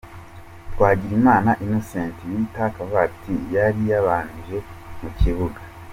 Twagirimana Innocent bita Kavatiri yari yabanje mu kibuga.